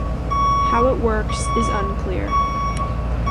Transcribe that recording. How it works is unclear.